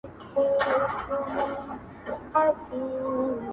له خپلي کمبلي سره سمي پښې وغځوو